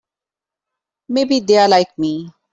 Maybe they're like me.